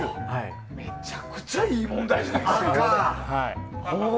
めちゃくちゃいい問題じゃないですか。